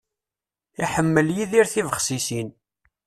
Iḥemmel Yidir tibexsisin.